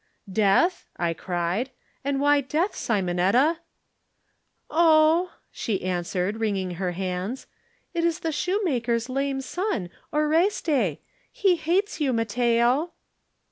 "Death?" I cried. "And why death, Simonetta?" "Oh!" she answered, wringing her hands, "it is the shoemaker's lame son, Oreste. He hates you, Matteo!"